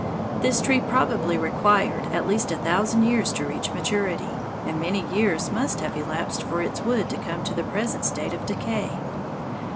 This tree probably required at least a thousand years to reach maturity, and many years must have elapsed for its wood to come to the present state of decay.